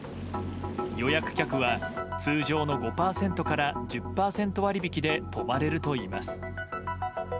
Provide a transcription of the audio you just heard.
予約客は通常の５％から１０％割引きで泊まれるといいます。